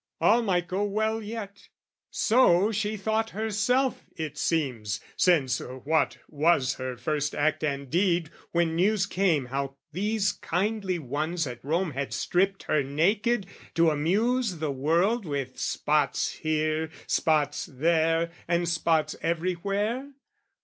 All might go well yet. So she thought, herself, It seems, since what was her first act and deed When news came how these kindly ones at Rome Had stripped her naked to amuse the world With spots here, spots there, and spots everywhere?